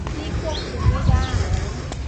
ที่ควบคุมไม่ได้